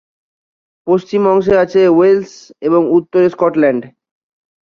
পশ্চিম অংশে আছে ওয়েলস এবং উত্তরে স্কটল্যান্ড।